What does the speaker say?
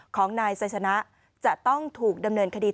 ของนายไซสนะจะต้องถูกดำเนินคดี